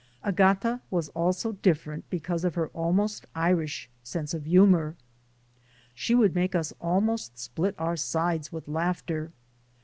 Agata was also different because of her almost Irish sense of humor. She would make us almost split our sides with laughter.